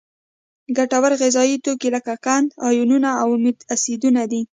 ګټور غذایي توکي لکه قند، آیونونه او امینو اسیدونه دي.